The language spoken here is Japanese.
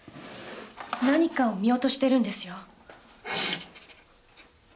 何かを見落としてるんですよ。